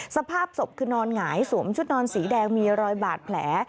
สภาพศพคือนอนหงายสวมชุดนอนสีแดงมีรอยบาดแผล